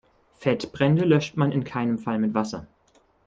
Fettbrände löscht man in keinem Fall mit Wasser.